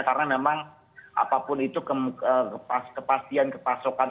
karena memang apapun itu kepastian kepasokan